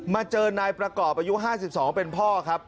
เจอนายประกอบอายุ๕๒เป็นพ่อครับ